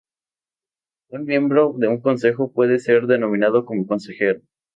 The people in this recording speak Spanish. Un miembro de un consejo puede ser denominado como consejero.